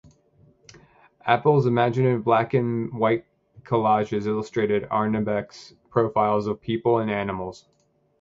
Appel's imaginative black-and-white collages illustrated Arnebeck's profiles of people and animals.